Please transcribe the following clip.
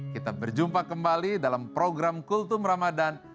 kita berjumpa kembali dalam program kultum ramadhan